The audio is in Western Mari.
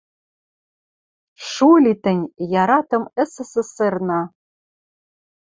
Шу ли тӹнь, яратым СССР-на!..» —